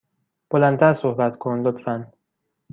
بلند تر صحبت کن، لطفا.